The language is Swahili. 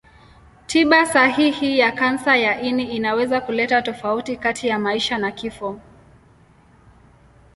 Tiba sahihi ya kansa ya ini inaweza kuleta tofauti kati ya maisha na kifo.